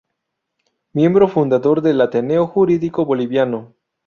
Miembro fundador del Ateneo Jurídico Boliviano.